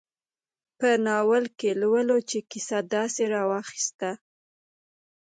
په ناول کې لولو چې کیسه داسې راواخیسته.